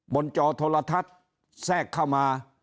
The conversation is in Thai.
จอโทรทัศน์แทรกเข้ามา